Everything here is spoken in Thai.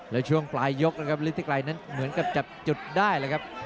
แล้วช่วงปลายยกนะครับฤทธิไกรนั้นเหมือนกับจับจุดได้เลยครับ